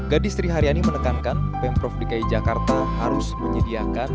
gadis sri haryani menekankan pemprov dki jakarta harus menyediakan